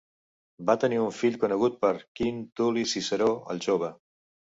Van tenir un fill conegut per Quint Tul·li Ciceró el jove.